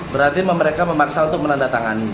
berarti mereka memaksa untuk menandatangani